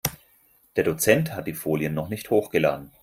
Der Dozent hat die Folien noch nicht hochgeladen.